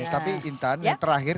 tapi intan yang terakhir